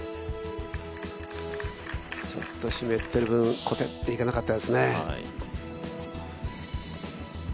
ちょっと湿ってる分、コテっていかなかったですね。